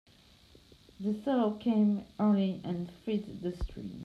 The thaw came early and freed the stream.